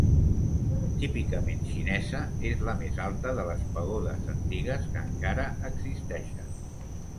Típicament xinesa, és la més alta de les pagodes antigues que encara existeixen.